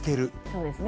そうですね。